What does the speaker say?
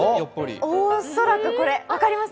おそらくこれ、分かりました。